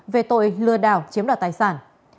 về tội lừa đảo chiếm đoạt tài sản